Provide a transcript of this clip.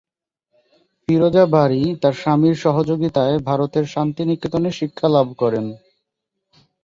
ফিরোজা বারী তার স্বামীর সহযোগিতায় ভারতের শান্তিনিকেতনে শিক্ষা লাভ করেন।